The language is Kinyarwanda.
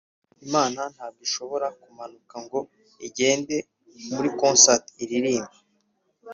Imana ntabwo ishobora kumanuka ngo igende muri concert iririmbe